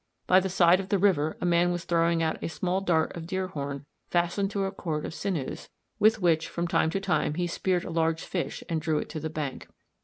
By the side of the river a man was throwing a small dart of deer horn fastened to a cord of sinews, with which from time to time he speared a large fish and drew it to the bank.